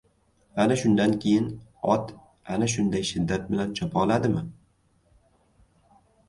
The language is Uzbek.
ana shundan keyin ot ana shunday shiddat bilan chopoladimi?